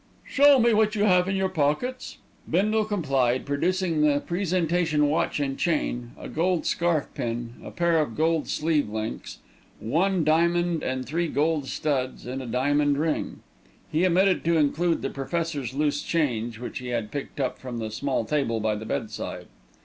"Show me what you have in your pockets." Bindle complied, producing the presentation watch and chain, a gold scarf pin, a pair of gold sleeve links, one diamond and three gold studs, and a diamond ring. He omitted to include the Professor's loose change, which he had picked up from the small table by the bedside.